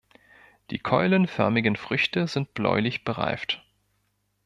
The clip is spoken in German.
Die keulenförmigen Früchte sind bläulich bereift.